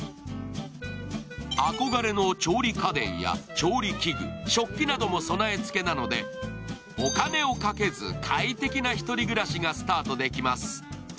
憧れの調理家電や調理器具、食器なども備え付けなので、お金をかけず快適な１人暮らしがスタートできます。